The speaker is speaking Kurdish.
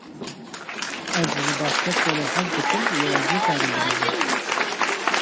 Ez ji basketbolê hez dikim, lê ez nikarim bilîzim.